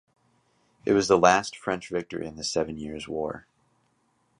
It was the last French victory in the Seven Years' War.